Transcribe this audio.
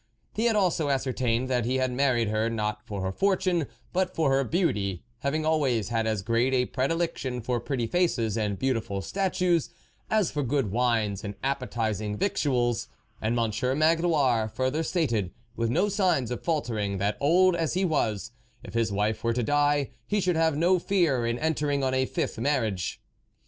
He had also ascertained that he had married her not for her fortune, but for her beauty, having always had as great a predilection for pretty faces and beautiful statues, as for good wines and appetising victuals, and Monsieur Magloire further stated, with no sign of faltering, that, old as he was, if his wife were to die, he should have no fear in entering on a fifth mar riage.